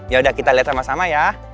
ya udah kita lihat sama sama ya